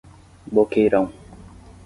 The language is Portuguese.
Boqueirão